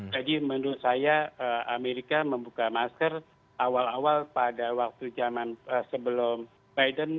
menurut saya amerika membuka masker awal awal pada waktu zaman sebelum biden